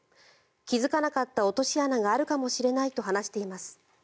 気付かなかった落とし穴があるかもしれないと話しています。